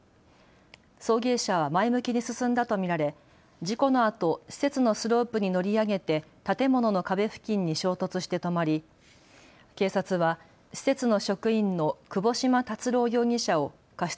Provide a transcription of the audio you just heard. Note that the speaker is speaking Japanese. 送迎車は前向きに進んだと見られ事故のあと施設のスロープに乗り上げて建物の壁付近に衝突して止まり警察は施設の職員の窪島達郎容疑者を過失